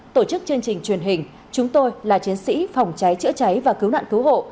tổ chức chương trình truyền hình chúng tôi là chiến sĩ phòng cháy chữa cháy và cứu nạn cứu hộ